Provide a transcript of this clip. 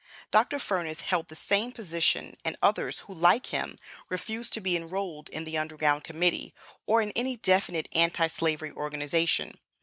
Dr. Furness held the same position, and others who, like him, refused to be enrolled in the 'Underground Committee,' or in any definite Anti Slavery organization.